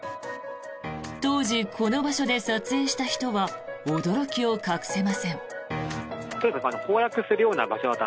当時、この場所で撮影した人は驚きを隠せません。